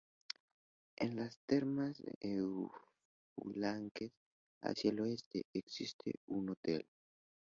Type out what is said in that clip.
En las Termas de Epulafquen, hacia el oeste, existe un hotel.